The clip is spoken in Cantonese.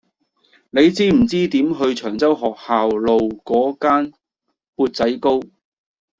你知唔知點去長洲學校路嗰間缽仔糕